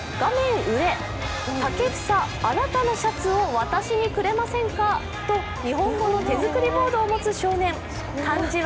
上武房、あなたのシャツを私にくれませんか？と日本語の手作りボードを持つ少年。